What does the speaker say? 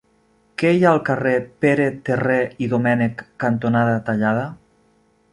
Què hi ha al carrer Pere Terré i Domènech cantonada Tallada?